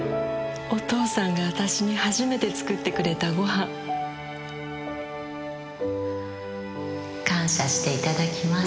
お父さんが私に初めて作ってくれたご飯感謝していただきます